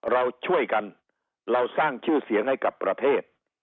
เราช่วยกันเราสร้างชื่อเสียงให้กับประเทศ